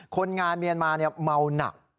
คนงานเมียนมาเมาหนัก